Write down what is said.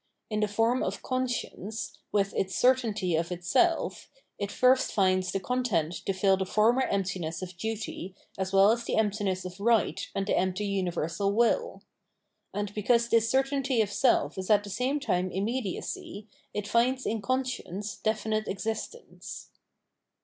In the form of Con science, with its certainty of itself, it first finds the content to fill the former emptiness of duty as well as the emptiness of right and the empty universal will. And because this certainty of self is at the same time immediacy, it finds in conscience definite existence.